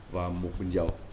và một bình dầu